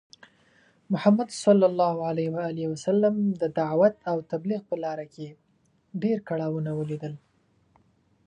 محمد ص د دعوت او تبلیغ په لاره کې ډی کړاوونه ولیدل .